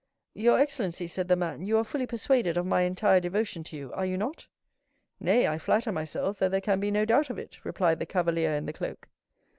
"Your excellency," said the man, "you are fully persuaded of my entire devotion to you, are you not?" "Nay, I flatter myself that there can be no doubt of it," replied the cavalier in the cloak.